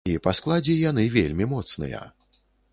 І па складзе яны вельмі моцныя.